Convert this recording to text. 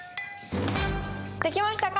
できましたか？